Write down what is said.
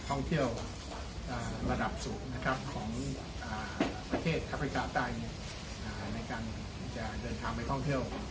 ของประเทศอเฟรกาใต้ในการจะเดินทางไปท่องเที่ยวที่ประเทศไทย